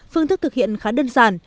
phương thức thực hiện khá đơn giản